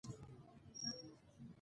يار مې په ښايست کې لکه ګل د نوبهار دى